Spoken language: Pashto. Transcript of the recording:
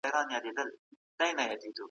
مطالعه انسان له جهالت څخه ژغوري.